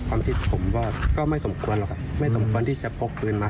ความผิดผมก็ไม่สมควรหรอกครับไม่สมควรที่จะพกปืนมา